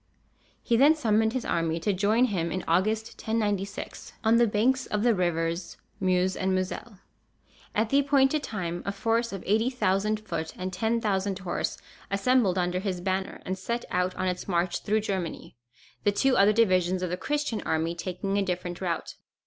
He then summoned his army to join him in August, 1096, on the banks of the rivers Meuse and Moselle. At the appointed time, a force of 80,000 foot and 10,000 horse assembled under his banner, and set out on its march through Germany, the two other divisions of the Christian army taking a different route.